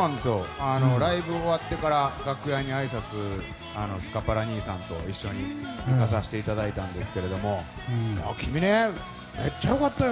ライブが終わってから楽屋に、あいさつにスカパラ兄さんと一緒に行かせていただいたんですけど君ね、めっちゃ良かったよ！